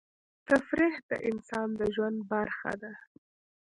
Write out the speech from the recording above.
تفریح د انسان د ژوند برخه ده.